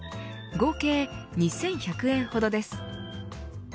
合計２１００円ほどです。